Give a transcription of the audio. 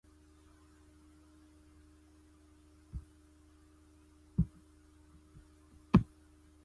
台北人